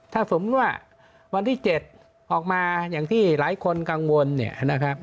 ถ้าสมมุติว่าวันที่๗ออกมาอย่างที่หลายคนกังวลเนี่ยนะครับ